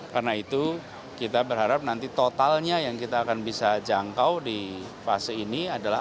karena itu kita berharap nanti totalnya yang kita akan bisa jangkau di fase ini adalah